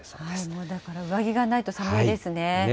もうだから、上着がないと寒いですね。